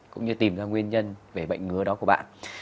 cũng như tìm ra nguyên nhân về bệnh ngứa đó của bạn